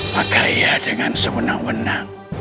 maka ia dengan semenang menang